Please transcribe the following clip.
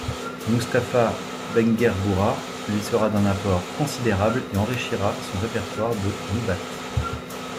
Mustapha Benguergoura lui sera d'un apport considérable et enrichira son répertoire de noubates.